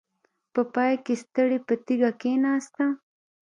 په پای کې ستړې په تيږه کېناسته.